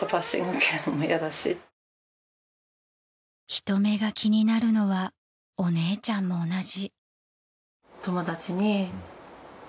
［人目が気になるのはお姉ちゃんも同じ］